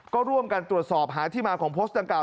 ก็ร่วมกันตรวจสอบหาที่มาของโพสต์ดังกล่า